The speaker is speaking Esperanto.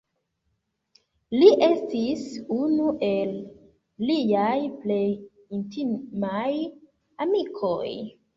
Li estis unu el liaj plej intimaj amikoj.